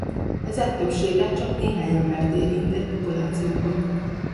Ezek többsége csak néhány embert érint egy populációban.